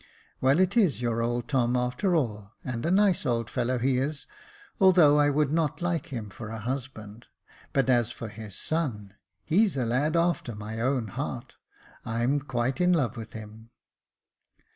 " Well, it is your old Tom after all, and a nice old fellow he is, although I would not like him for a husband ; but as for his son — he's a lad after my own heart — I'm quite in love with him."